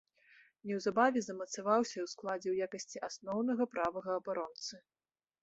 Неўзабаве замацаваўся ў складзе ў якасці асноўнага правага абаронцы.